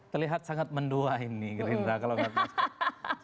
terlihat sangat mendua ini gerindra kalau tidak mas